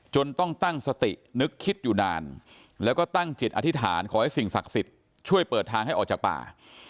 ต้องตั้งสตินึกคิดอยู่นานแล้วก็ตั้งจิตอธิษฐานขอให้สิ่งศักดิ์สิทธิ์ช่วยเปิดทางให้ออกจากป่า